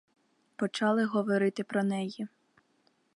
Почали говорити про неї.